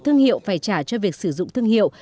thương hiệu phải trả cho việc sử dụng thương hiệu